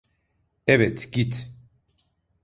Evet, git.